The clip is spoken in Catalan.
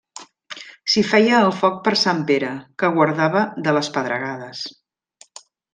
S'hi feia el foc per Sant Pere, que guardava de les pedregades.